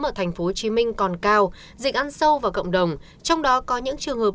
ở tp hcm còn cao dịch ăn sâu vào cộng đồng trong đó có những trường hợp